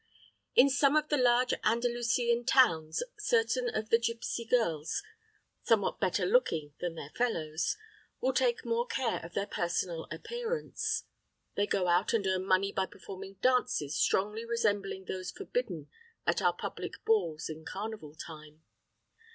In some of the large Andalusian towns certain of the gipsy girls, somewhat better looking than their fellows, will take more care of their personal appearance. These go out and earn money by performing dances strongly resembling those forbidden at our public balls in carnival time.